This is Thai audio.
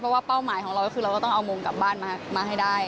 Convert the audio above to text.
เพราะว่าเป้าหมายของเราก็คือเราก็ต้องเอามงกลับบ้านมาให้ได้